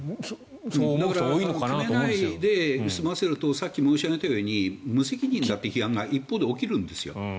だから決めないで済ませるとさっき申し上げたように無責任だという批判が一方で起きるんです。